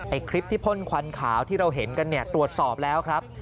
คลิปที่พ่นควันขาวที่เราเห็นกันเนี่ยตรวจสอบแล้วครับ